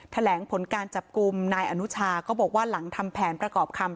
แถลงผลการจับกลุ่มนายอนุชาก็บอกว่าหลังทำแผนประกอบคำ